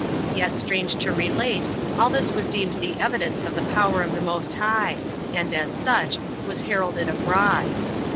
Yet, strange to relate, all this was deemed the evidence of the power of the Most High ; and, as such, was heralded abroad.